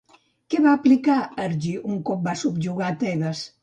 Què va aplicar Ergí un cop va subjugar Tebes?